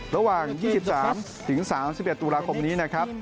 ระหว่าง๒๓๓๑ตุลาคมนี้นะครับ